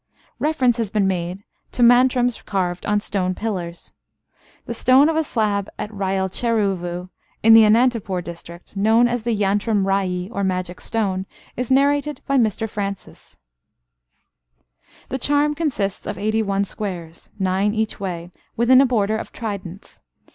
Reference has been made (p. 180) to mantrams carved on stone pillars. The story of a stone slab at Rayalcheruvu in the Anantapur district, known as the yantram rayi or magic stone, is narrated by Mr Francis. "The charm consists of eighty one squares, nine each way, within a border of tridents.